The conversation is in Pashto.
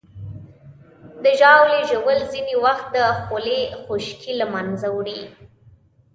د ژاولې ژوول ځینې وخت د خولې خشکي له منځه وړي.